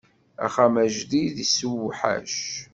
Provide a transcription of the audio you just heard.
Axxam ajdid issewḥac.